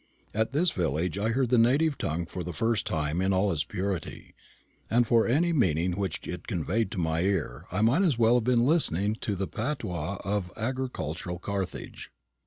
At this village I heard the native tongue for the first time in all its purity; and for any meaning which it conveyed to my ear I might as well have been listening to the patois of agricultural Carthage.